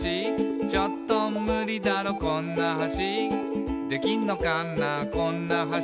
「ちょっとムリだろこんな橋」「できんのかなこんな橋」